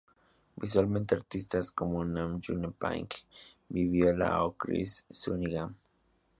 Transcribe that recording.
Visualmente artistas como Nam June Paik, Bill Viola, o Chris Cunningham.